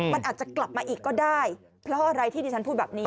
มันอาจจะกลับมาอีกก็ได้เพราะอะไรที่ดิฉันพูดแบบนี้